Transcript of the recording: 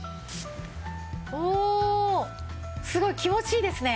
おおすごい気持ちいいですね。